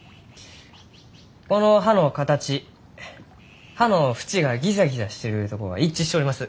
この葉の形葉の縁がギザギザしてるとこが一致しちょります。